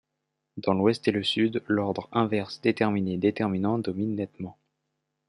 Dans l'ouest et le sud, l'ordre inverse déterminé-déterminant domine nettement.